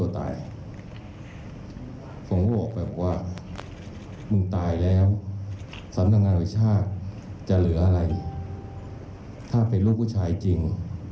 ถ้าเป็นลูกผู้ชายจริง